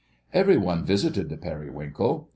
Every one visited the Periwinkle.